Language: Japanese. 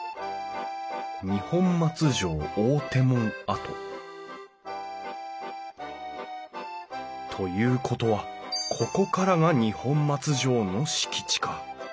「二本松城大手門跡」ということはここからが二本松城の敷地か。